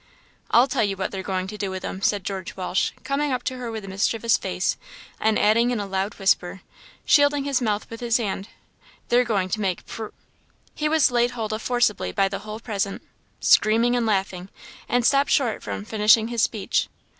"I'll tell you what they are going to do with 'em," said George Walsh, coming up to her with a mischievous face, and adding in a loud whisper, shielding his mouth with his hand "they're going to make pr " He was laid hold of forcibly by the whole party, screaming and laughing, and stopped short from finishing his speech.